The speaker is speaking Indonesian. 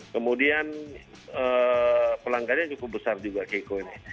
kemudian pelanggannya cukup besar juga keiko ini